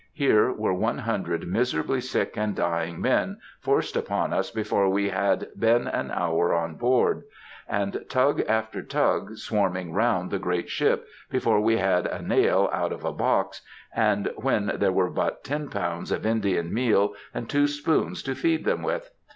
Here were one hundred miserably sick and dying men, forced upon us before we had been an hour on board; and tug after tug swarming round the great ship, before we had a nail out of a box, and when there were but ten pounds of Indian meal and two spoons to feed them with.